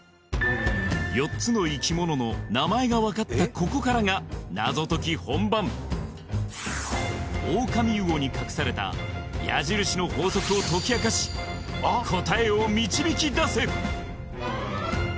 ４つの生き物の名前がわかったここからが謎解き本番オオカミウオに隠された矢印の法則を解き明かし答えを導き出せ